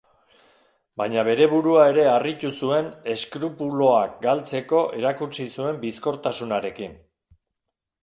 Baina bere burua ere harritu zuen eskrupuloak galtzeko erakutsi zuen bizkortasunarekin.